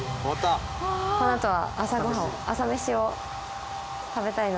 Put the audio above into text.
このあとは朝ご飯を朝メシを食べたいので。